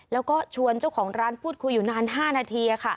แล้วก็ชวนเจ้าของร้านพูดคุยอยู่นาน๕นาที